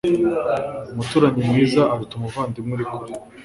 Umuturanyi mwiza aruta umuvandimwe uri kure.